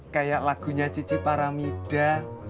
kayak lagunya cici paramida